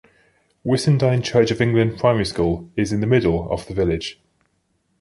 Whissendine Church of England Primary School is in the middle of the village.